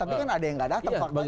tapi kan ada yang gak datang